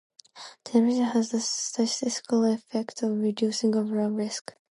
Diversification has the statistical effect of reducing overall risk.